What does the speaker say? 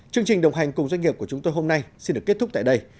chương trình đồng hành cùng doanh nghiệp của chúng tôi hôm nay xin được kết thúc tại đây